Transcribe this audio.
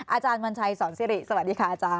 อาจารย์วัญชัยสอนซิริสวัสดีค่ะอาจารย